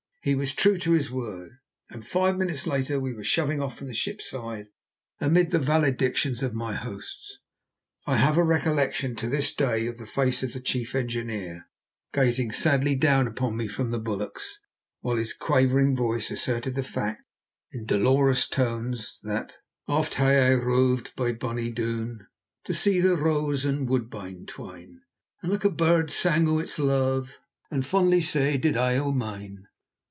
He was true to his word, and five minutes later we were shoving off from the ship's side amid the valedictions of my hosts. I have a recollection to this day of the face of the chief engineer gazing sadly down upon me from the bulwarks, while his quavering voice asserted the fact, in dolorous tones, that "Aft hae I rov'd by bonny Doon, To see the rose and woodbine twine; And ilka bird sang o' its luve, And fondly sae did I o' mine."